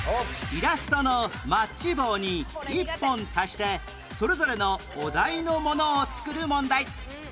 イラストのマッチ棒に１本足してそれぞれのお題のものを作る問題